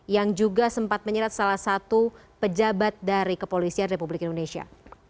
yang juga sempat menyerat salah satu pejabat dari kepolisian republik indonesia